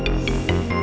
temen saya yang mana